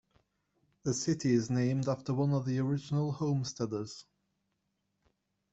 The city is named after one of the original homesteaders.